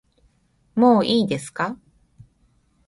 もういいですか